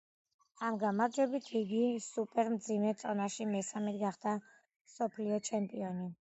ამ გამარჯვებით იგი სუპერ მძიმე წონაში მესამედ გახდა მსოფლიოს ჩემპიონი.